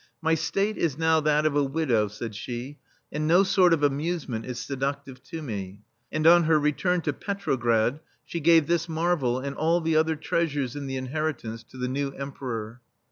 " My state is now that of a widow," said she, '^ and no sort of amusement is seductive to me;'* and on her return to Petrograd, she gave this marvel and all the other treasures in the inheritance to the new Emperor.